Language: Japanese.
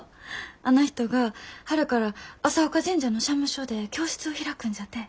あの人が春から朝丘神社の社務所で教室を開くんじゃてえ。